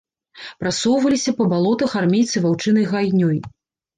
Прасоўваліся па балотах армейцы ваўчынай гайнёй.